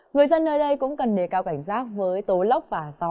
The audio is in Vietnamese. người dân ở đây cũng cần đề cao cảnh giác với tố lốc và gió